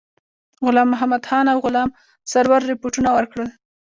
غلام محمدخان او غلام سرور رپوټونه ورکړل.